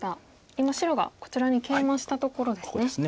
今白がこちらにケイマしたところですね。